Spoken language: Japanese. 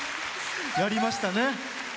やりましたね。